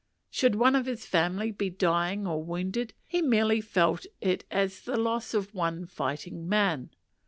Should one of his family be dying or wounded, he merely felt it as the loss of one fighting man.